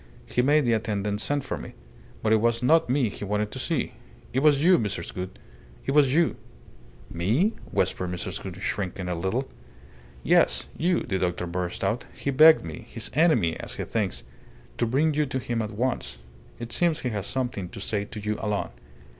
He made the attendant send for me. But it was not me he wanted to see it was you, Mrs. Gould! It was you." "Me?" whispered Mrs. Gould, shrinking a little. "Yes, you!" the doctor burst out. "He begged me his enemy, as he thinks to bring you to him at once. It seems he has something to say to you alone."